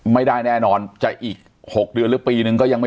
ไม่ได้แน่นอนจะอีก๖เดือนหรือปีนึงก็ยังไม่